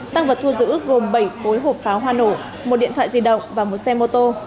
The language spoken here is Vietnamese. tăng vật thu giữ gồm bảy khối hộp pháo hoa nổ một điện thoại di động và một xe mô tô